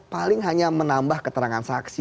paling hanya menambah keterangan saksi